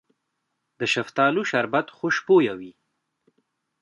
د شفتالو شربت خوشبويه وي.